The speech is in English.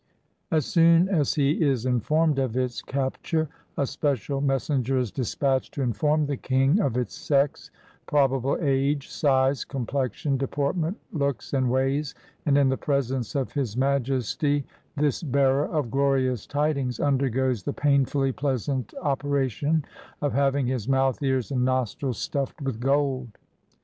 As soon as he is informed of its capture, a spe cial messenger is dispatched to inform the king of its sex, probable age, size, complexion, deportment, looks, and ways; and in the presence of His Majesty this bearer of glorious tidings undergoes the painfully pleasant op eration of having his mouth, ears, and nostrils stuffed 263 SIAM with gold.